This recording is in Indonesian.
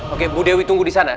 oke bu dewi tunggu disana